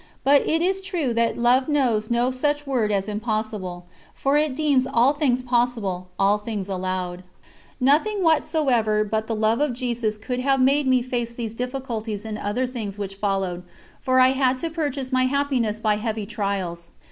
But it is true that Love knows no such word as "impossible," for it deems "all things possible, all things allowed." Nothing whatsoever but the love of Jesus could have made me face these difficulties and others which followed, for I had to purchase my happiness by heavy trials.